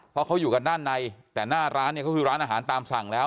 เพราะเขาอยู่กันด้านในแต่หน้าร้านเนี่ยก็คือร้านอาหารตามสั่งแล้ว